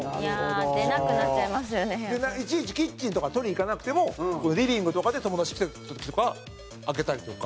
土田：いちいちキッチンとか取りに行かなくてもリビングとかで友達来てる時とか開けたりとか。